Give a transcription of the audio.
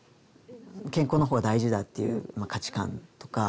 健康の方が大事だっていう価値観とか